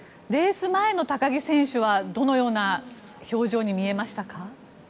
レース前の高木選手はどのような表情に見えましたか。